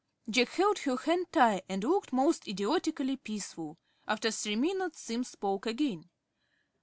Jack held her hand tight, and looked most idiotically peaceful. After three minutes Simms spoke again.